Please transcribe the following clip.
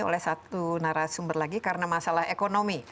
oleh satu narasumber lagi karena masalah ekonomi